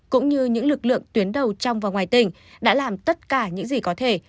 cũng như những lực lượng tuyến đầu trong và ngoài tỉnh đã làm tất cả những gì có thể